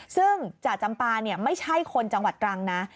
ซึ่งจ่าจำปาไม่ใช่คนจังหวัดตรังนะ